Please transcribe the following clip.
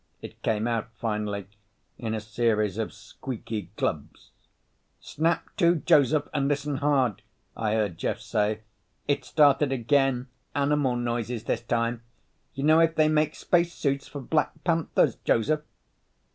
It came out finally in a series of squeaky glubs. "Snap to, Joseph, and listen hard," I heard Jeff say. "It's started again. Animal noises this time. You know if they make spacesuits for black panthers, Joseph?"